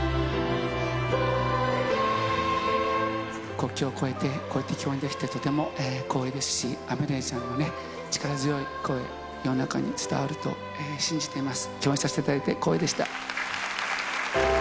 国境を越えて、こうやって共演できて、とても光栄ですし、アメリアちゃんのね、力強い声の中に伝わると信じてます。